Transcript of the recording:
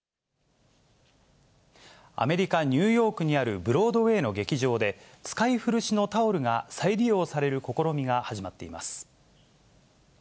アメリカ・ニューヨークにあるブロードウェイの劇場で、使い古しのタオルが再利用される試みが始まっています。